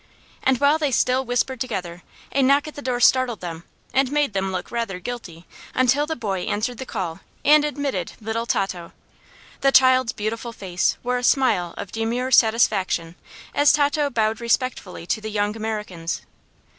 And while they still whispered together a knock at the door startled them and made them look rather guilty until the boy answered the call and admitted little Tato. The child's beautiful face wore a smile of demure satisfaction as Tato bowed respectfully to the young Americans.